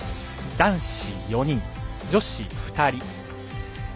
男子４人、女子２人。